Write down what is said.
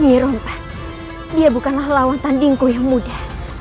nyeron pak dia bukanlah lawan tandingku yang muda